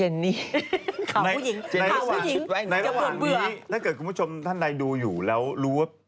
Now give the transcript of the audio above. แล้วถ้าคุณผู้ชมท่านดูแล้วรู้ว่า